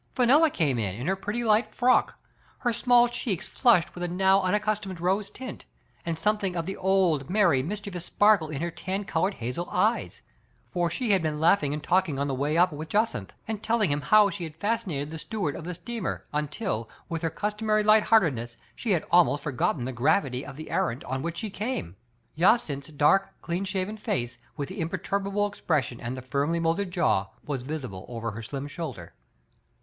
Fenella came in in her pretty light frock, her small cheeks flushed with a now unaccustomed rose tint, and something of the old, merry, mis chievous sparkle in her tan colored hazel eyes, for she had been laughing and talking on the way Digitized by Google F. ANSTEY. 313 up with Jacynth, and telling him how she had fascinated the steward of the steamer, until, with her customary light heartedness, she had almost forgotten the gravity of the errand on which she came. Jacynth*s dark, clean shaven face, with the imperturbable expression and the firmly molded jaw, was visible over her slim shoulder.